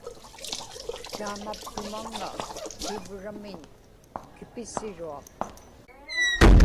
taamaptumaŋŋa tivramiñ kipisiruaq